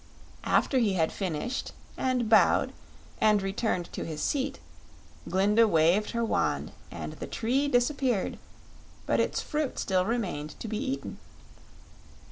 After he had finished, and bowed, and returned to his seat, Glinda waved her wand and the tree disappeared; but its fruit still remained to be eaten.